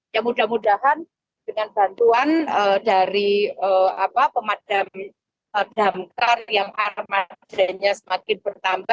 ya mudah mudahan dengan bantuan dari pemadam damkar yang armadanya semakin bertambah